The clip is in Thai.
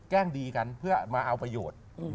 ดีกันเพื่อมาเอาประโยชน์